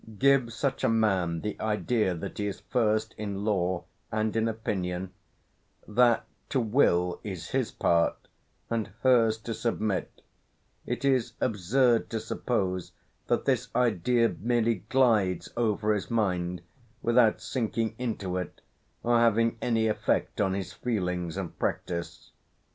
Give such a man the idea that he is first in law and in opinion that to will is his part, and hers to submit it is absurd to suppose that this idea merely glides over his mind, without sinking into it, or having any effect on his feelings and practice.